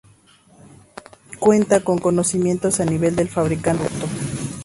Cuenta con conocimientos a nivel del fabricante del producto.